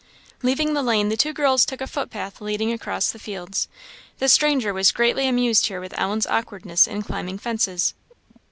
Leaving the lane, the two girls took a footpath leading across the fields. The stranger was greatly amused here with Ellen's awkwardness in climbing fences.